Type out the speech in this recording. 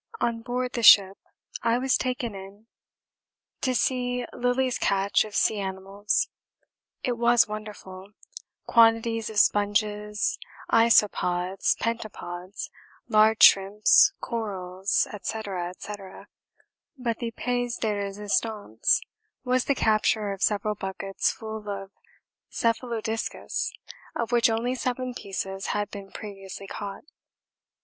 On board the ship I was taken in to see Lillie's catch of sea animals. It was wonderful, quantities of sponges, isopods, pentapods, large shrimps, corals, &c., &c. but the pièce de résistance was the capture of several buckets full of cephalodiscus of which only seven pieces had been previously caught.